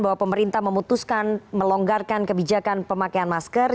bahwa pemerintah memutuskan melonggarkan kebijakan pemakaian masker